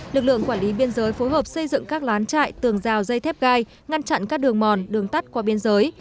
lực lượng quản lý biên giới phối hợp xây dựng các lán trại tường rào dây thép gai ngăn chặn các đường mòn đường tắt qua biên giới